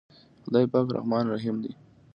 خداے پاک رحمان رحيم دے۔